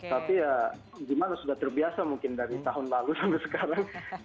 tapi ya gimana sudah terbiasa mungkin dari tahun lalu sampai sekarang